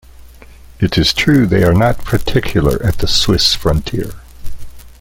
It is true they are not particular at the Swiss Frontier.